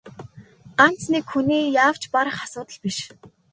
Ганц нэг хүний яавч барах асуудал биш.